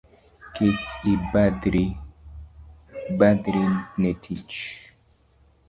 Kik ibadhri ne tich